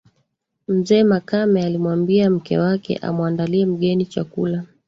Mzee Makame alimwambia mke wake amuandalie mgeni chakula